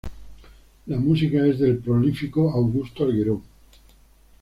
La música es del prolífico Augusto Algueró.